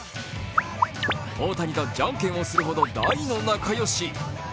大谷とじゃんけんをするほど大の仲良し。